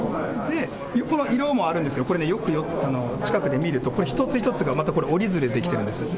この色もあるんですけれども、これね、よくよく近くで見ると、これ、一つ一つがまたこれ、折り鶴で出来てるんです。